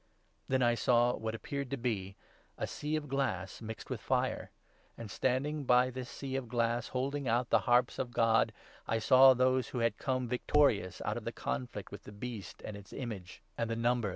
Then I saw what appeared to be a sea of glass mixed with fire ; and, standing by this sea of glass, holding the harps of God, I saw those who had come victorious out of the conflict with the Beast and its image and the number that 10 Isa.